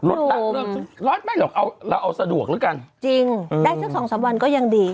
ละเลิกรถไม่หรอกเอาเราเอาสะดวกแล้วกันจริงได้สักสองสามวันก็ยังดี